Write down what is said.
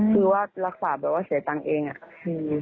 คือว่ารักษาแบบว่าเสียตังค์เองอะ